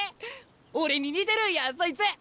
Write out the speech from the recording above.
俺に似てるんやそいつ。